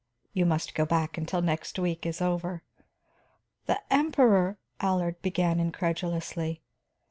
You must go back until next week is over." "The Emperor " Allard began incredulously.